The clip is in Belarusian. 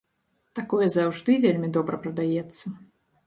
Такое заўжды вельмі добра прадаецца.